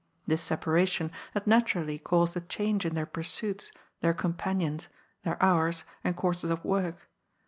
This separation had naturally caused a change in their pursuits, their companions, their hours and courses of work.